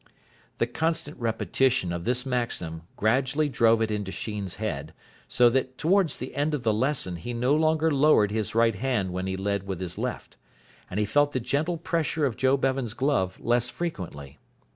The constant repetition of this maxim gradually drove it into Sheen's head, so that towards the end of the lesson he no longer lowered his right hand when he led with his left; and he felt the gentle pressure of Joe Bevan's glove less frequently.